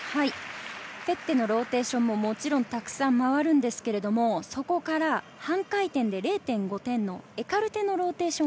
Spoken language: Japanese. フェッテのローテーションもたくさん回るのですがそこから半回転で０．５点のエカルテのローテーション。